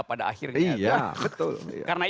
pada akhirnya ya betul karena